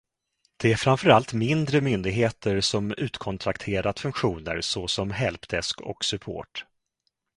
Det är framför allt mindre myndigheter som utkontrakterat funktioner såsom helpdesk och support.